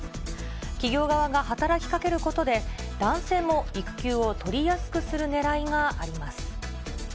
企業側が働きかけることで、男性も育休を取りやすくするねらいがあります。